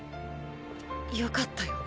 よかったよ